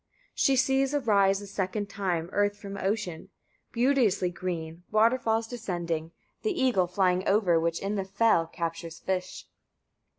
57. She sees arise, a second time, earth from ocean, beauteously green, waterfalls descending; the eagle flying over, which in the fell captures fish.